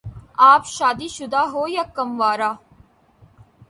آپ شادی شدہ ہو یا کنوارہ؟